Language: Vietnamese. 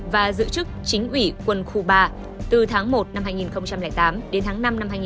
và giữ chức chính ủy quân khu ba từ tháng một năm hai nghìn tám đến tháng năm năm hai nghìn một mươi ba